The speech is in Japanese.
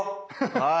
はい。